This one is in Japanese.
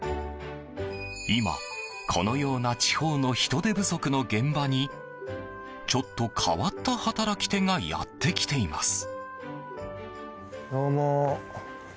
今、このような地方の人手不足の現場にちょっと変わった働き手がやってきています。